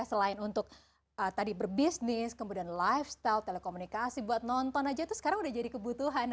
selain untuk tadi berbisnis kemudian lifestyle telekomunikasi buat nonton aja itu sekarang udah jadi kebutuhan